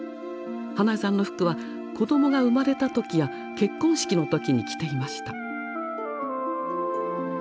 英恵さんの服は子どもが生まれた時や結婚式の時に着ていました。